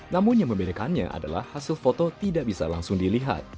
namun yang membedakannya adalah hasil foto tidak bisa langsung dilihat